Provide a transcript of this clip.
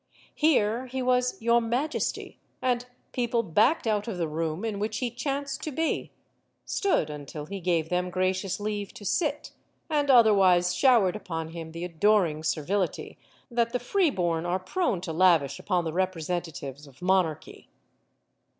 Here he was "Your Majesty," and people backed out of the room in which he chanced to be, stood until he gave them gracious leave to sit, and otherwise showered upon him the adoring servility that the freeborn are prone to lavish upon the representatives of monarchy.